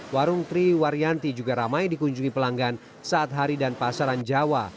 warung triwaryanti juga ramai dikunjungi pelanggan saat hari dan pasaran jawa